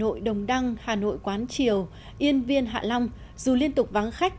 hà nội đồng đăng hà nội quán triều yên viên hạ long dù liên tục vắng khách